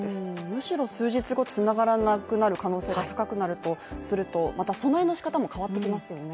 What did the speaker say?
むしろ数日後繋がらなくなる可能性が高くなるとすると、またその辺の仕方も変わってきますよね